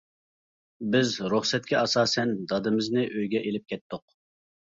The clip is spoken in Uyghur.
بىز رۇخسەتكە ئاساسەن دادىمىزنى ئۆيگە ئېلىپ كەتتۇق.